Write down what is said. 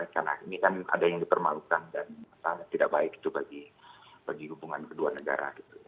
jadi kan ada yang dipermalukan dan tidak baik itu bagi hubungan kedua negara gitu